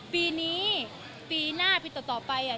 ปีนี้ปีหน้าปีต่อไปอ่ะ